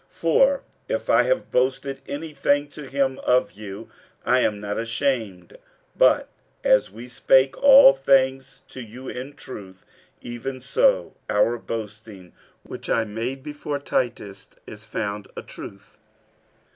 47:007:014 For if I have boasted any thing to him of you, I am not ashamed; but as we spake all things to you in truth, even so our boasting, which I made before Titus, is found a truth.